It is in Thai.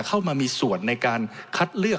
เข้ามามีส่วนในการคัดเลือก